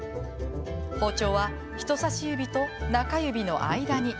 包丁は人さし指と中指の間に。